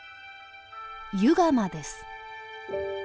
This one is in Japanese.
湯釜です。